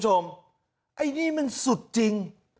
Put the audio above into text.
ไอ้นี่มันสุดจริง